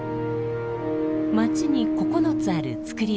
街に９つある造り酒屋。